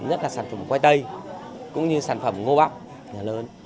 nhất là sản phẩm quay tây cũng như sản phẩm ngô bọc nhà lớn